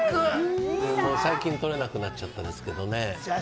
最近は、とれなくなっちゃったんですけどね。